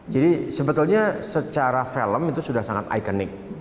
jadi sebetulnya secara film itu sudah sangat ikonik